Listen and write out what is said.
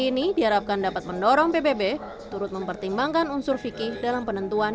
ini diharapkan dapat mendorong pbb turut mempertimbangkan unsur fikih dalam penentuan